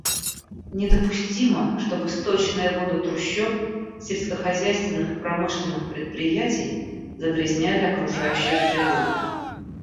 Недопустимо, чтобы сточные воды трущоб, сельскохозяйственных и промышленных предприятий загрязняли окружающую среду.